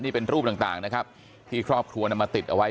นี่เป็นรูปต่างนะครับที่ครอบครัวนำมาติดเอาไว้